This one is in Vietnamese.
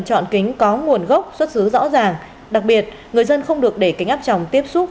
chọn kính có nguồn gốc xuất xứ rõ ràng đặc biệt người dân không được để kính áp tròng tiếp xúc